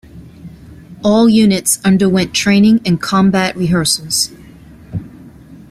All units underwent training and combat rehearsals.